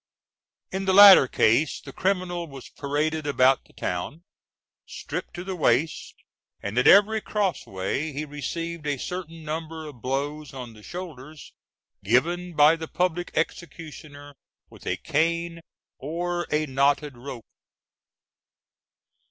In the latter case the criminal was paraded about the town, stripped to the waist, and at each crossway he received a certain number of blows on the shoulders, given by the public executioner with a cane or a knotted rope.